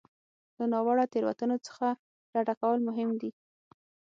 له ناوړه تېروتنو څخه ډډه کول مهم دي.